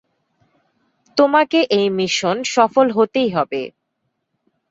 তোমাকে এই মিশন সফল হতেই হবে।